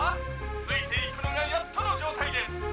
「ついていくのがやっとの状態です」